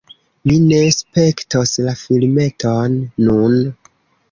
Mi ne spektos la filmeton nun